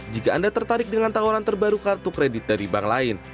jika anda tertarik dengan tawaran terbaru kartu kredit dari bank lain